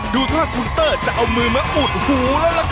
ดูท่าคุณเตอร์จะเอามือมาอุดหูแล้วล่ะครับ